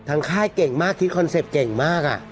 ค่ายเก่งมากที่คอนเซ็ปต์เก่งมาก